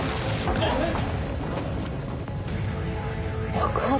・爆発？